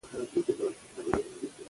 افغانستان د د کلیزو منظره لپاره مشهور دی.